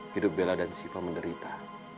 hidup bella dan siva menderita